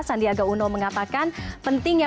sandiaga uno mengatakan pentingnya